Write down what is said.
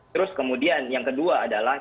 terus kemudian yang kedua adalah